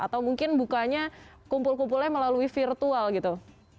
atau mungkin bukanya kumpul kumpulnya melalui virtual gitu